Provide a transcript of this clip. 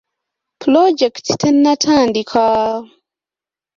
Pulojekiti tennatandika.